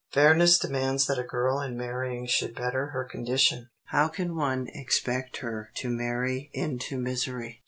Fairness demands that a girl in marrying should better her condition. How can one expect her to marry into misery?